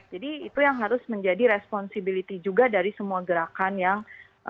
jadi itu yang harus menjadi responsibiliti juga dari semua gerakan yang gerakan sosial yang ada